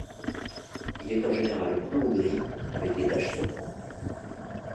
Il est en général brun ou gris, avec des taches sombres.